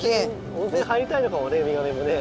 温泉入りたいのかもねウミガメもね。